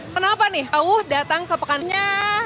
kenapa nih jauh datang ke pekan raya jakarta